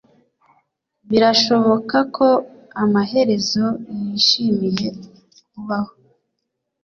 birashoboka ko amaherezo nishimiye kubaho